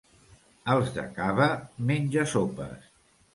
Els de Cava, menja-sopes.